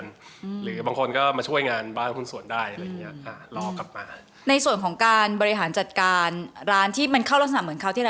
ซึ่งน้องพนักงานนี่นะคะ